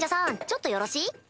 ちょっとよろしい？